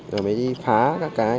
rồi mới đi phá các cái